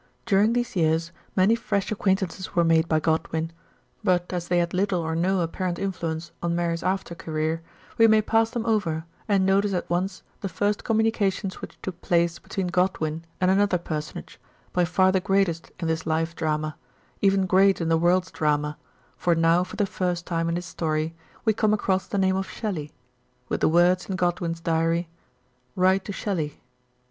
During these years many fresh acquaintances were made by Godwin ; but as they had little or no apparent influence on Mary's after career, we may pass them over and notice at once the first communications which took place be tween Godwin and another personage, by far the greatest in this life drama, even great in the world's drama, for now for the first time in this story we come across the name of Shelley, with the words in Godwin's diary, "Write to Shelley."